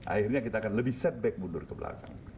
akhirnya kita akan lebih setback mundur ke belakang